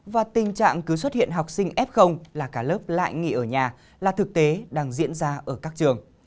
viện học sinh f là cả lớp lại nghỉ ở nhà là thực tế đang diễn ra ở các trường